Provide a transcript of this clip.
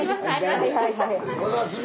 はいはいはい。